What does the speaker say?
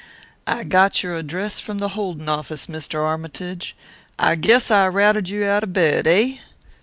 "I got your address from the Holden office, Mr. Armytage. I guess I routed you out of bed, eh?